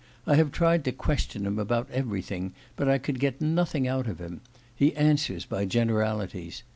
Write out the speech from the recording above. I have tried to question him about everything, but I could get nothing out of him. He answers by generalities.